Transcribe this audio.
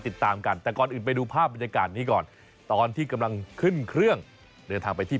ผ้าพันธกรรมก่อนตอนที่กำลังขึ้นเครื่องเดินทางไปที่